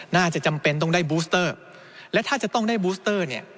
จำเป็นต้องได้บูสเตอร์และถ้าจะต้องได้บูสเตอร์เนี่ย